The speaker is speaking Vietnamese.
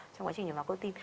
trong quá trình nhồi máu cơ tim